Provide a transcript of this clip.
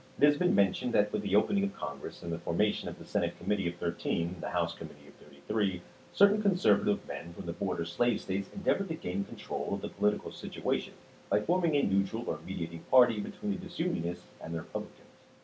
It has been mentioned, that with the opening of Con gress, and the formation of the Senate Committee of Thirteen and the House Committee of Thirty three, certain conservative men from the border slave States endeavored to gain control of the po litical situation by forming a neutral or mediating party between the disunionists and the Eepub licans.